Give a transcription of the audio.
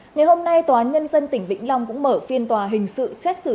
ngày hôm nay tòa án nhân dân tỉnh vĩnh long cũng mở phiên tòa hình sự xét xử